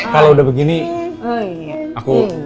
kalau udah begini aku